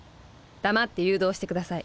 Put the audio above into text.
黙って誘導して下さい。